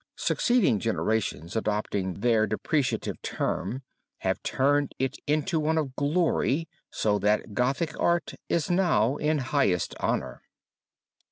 Succeeding generations adopting their depreciative term have turned it into one of glory so that Gothic art is now in highest honor.